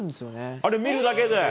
あれ見るだけで？